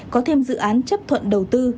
có thêm dự án chấp thuận đầu tư